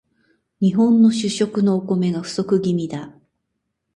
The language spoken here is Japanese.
日本の主食のお米が不足気味だ